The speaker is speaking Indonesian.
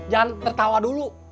jangan tertawa dulu